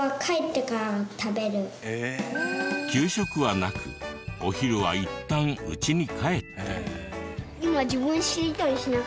給食はなくお昼はいったんうちに帰って。